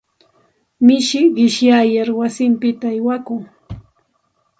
Mishi qishyayar wasinpita aywakun.